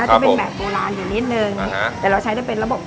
จะเป็นแบบโบราณอยู่นิดนึงแต่เราใช้ได้เป็นระบบ